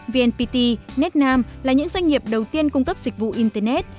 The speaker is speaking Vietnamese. vnpt netnam là những doanh nghiệp đầu tiên cung cấp dịch vụ internet